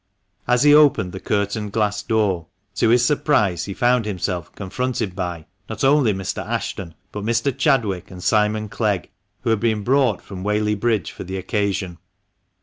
As he opened the curtained glass door, to his surprise he found himself confronted by, not only Mr. Ashton, but Mr. Chadwick, and Simon Clegg, who had been brought from Whaley Bridge for the occasion.